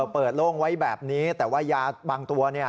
โล่งไว้แบบนี้แต่ว่ายาบางตัว